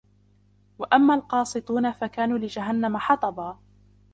وأما القاسطون فكانوا لجهنم حطبا